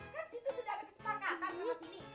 kan situ sudah ada kesepakatan sama sini